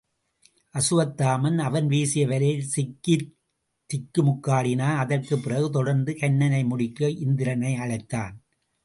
அசுவத்தாமன் அவன் வீசிய வலையில் சிக்கித் திக்கு முக்காடினான் அதற்குப் பிறகு தொடர்ந்து கன்னனை முடிக்க இந்திரனை அழைத்தான்.